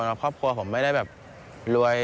แล้วครอบครัวผมไม่ได้แบบรวย